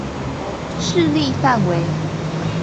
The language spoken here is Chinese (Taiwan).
勢力範圍